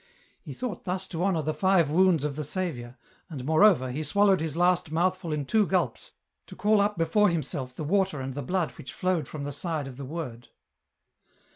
He thought thus to honour the five wounds of the Saviour, and, moreover, he swallowed his last mouthful in two gulps to call up before himself the water and the blood which flowed from the side of the Word.